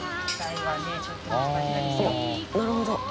△繊なるほど。